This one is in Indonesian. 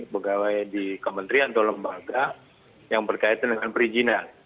pegawai di kementerian atau lembaga yang berkaitan dengan perizinan